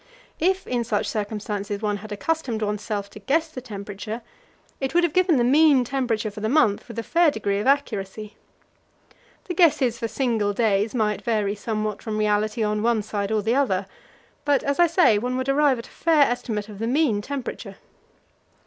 If in such circumstances one had accustomed oneself to guess the temperature, it would have given the mean temperature for the month with a fair degree of accuracy. The guesses for single days might vary somewhat from reality on one side or the other, but, as I say, one would arrive at a fair estimate of the mean temperature.